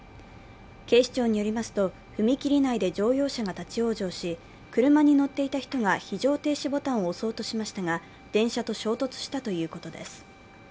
警視庁によりますと、踏切内で乗用車が立往生し車に乗っていた人が非常停止ボタンを押そうとしましたが電車と衝突したということです。